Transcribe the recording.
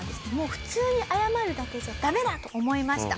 普通に謝るだけじゃダメだと思いました。